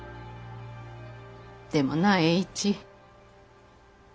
でもなぁ栄一。